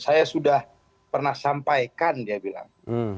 saya sudah pernah sampaikan dia bilang